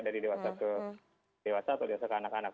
dari dewasa ke dewasa atau dewasa ke anak anak